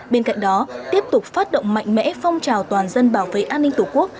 bên cạnh đó tiếp tục phát động mạnh mẽ phong trào toàn dân bảo vệ an ninh tổ quốc